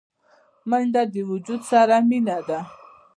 منډه د وجود سره مینه ده